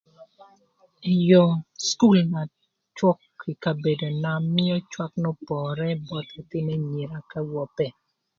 Ëyö cukul na cwök kï kabedona mïö cwak n'opore both ëthïnö anyira k'awope.